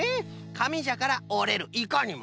かみじゃからおれるいかにもな。